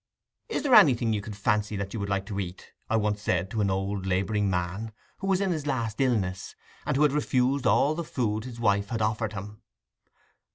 "Is there anything you can fancy that you would like to eat?" I once said to an old labouring man, who was in his last illness, and who had refused all the food his wife had offered him.